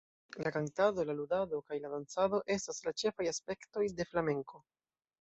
La kantado, la ludado kaj la dancado estas la ĉefaj aspektoj de flamenko.